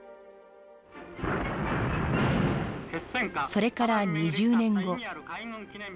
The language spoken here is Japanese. それから２０年後。